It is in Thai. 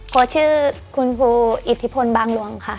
ขอชื่อคุณครูอิทธิพลบางลวงค่ะ